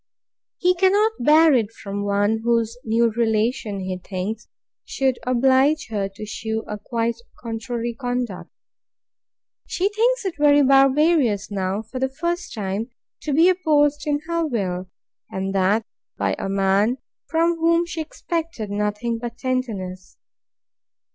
He cannot bear it from one whose new relation, he thinks, should oblige her to shew a quite contrary conduct. She thinks it very barbarous, now, for the first time, to be opposed in her will, and that by a man from whom she expected nothing but tenderness.